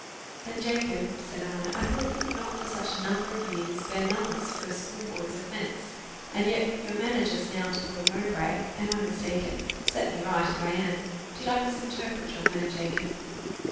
"Then, Jacob," said I, "I thought you could not for such a number of years bear malice for a schoolboy's offence; and yet your manner just now to Lord Mowbray am I mistaken? set me right, if I am did I misinterpret your manner, Jacob?"